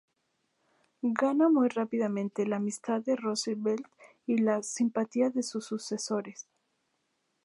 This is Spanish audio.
Gana muy rápidamente la amistad de Roosevelt y la simpatía de sus sucesores.